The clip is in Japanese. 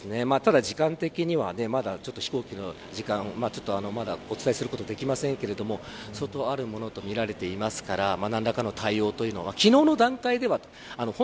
ただ時間的にはまだ飛行機の時間まだ、お伝えすることはできませんけれども相当あるものとみられていますから何らかの対応というのを。昨日の段階では。